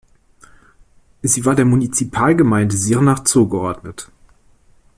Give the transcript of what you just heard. Sie war der Munizipalgemeinde Sirnach zugeordnet.